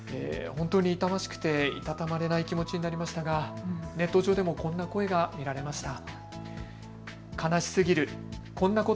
本当に痛ましくて居たたまれない気持ちになりましたがネット上でもこんな声が見られました。